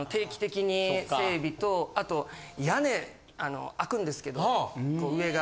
あと屋根開くんですけど上が。